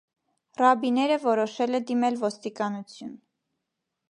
Ռաբիները որոշել է դիմել ոստիկանություն։